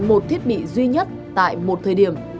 một thiết bị duy nhất tại một thời điểm